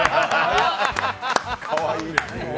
かわいい。